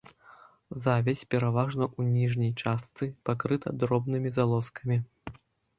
Завязь, пераважна ў ніжняй частцы, пакрыта дробнымі залозкамі.